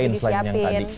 yang lain selain yang tadi